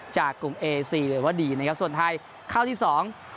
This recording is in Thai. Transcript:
จากกลุ่มเอซีหรือว่าดีนะครับส่วนไทยเข้าที่สอง